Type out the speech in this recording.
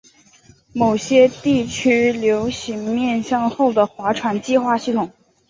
某些地区流行面向后的划船系统。